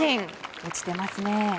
落ちてますね。